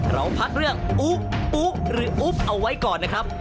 เราพักเรื่องอุ๊อุ๊หรืออุ๊บเอาไว้ก่อนนะครับ